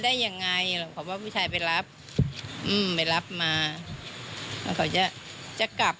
ได้ยังไงเขาว่าผู้ชายไปรับอืมไปรับมาแล้วเขาจะจะกลับ